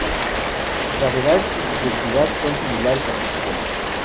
Su gravedad y su densidad son similares a Júpiter